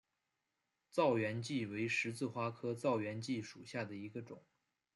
燥原荠为十字花科燥原荠属下的一个种。